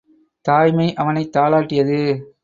தாய்மை அவனைத் தாலாட்டியது.